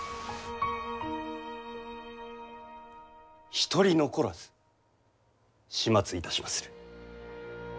一人残らず始末いたしまする。